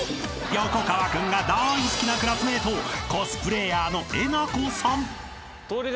［横川君が大好きなクラスメートコスプレイヤーのえなこさん］